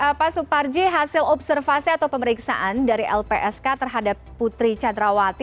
pak suparji hasil observasi atau pemeriksaan dari lpsk terhadap putri candrawati